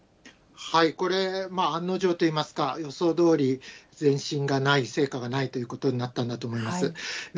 これ、案の定といいますか、予想どおり前進がない、成果がないということになったんだと思います。